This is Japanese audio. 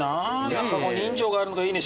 やっぱ人情があるのがいいね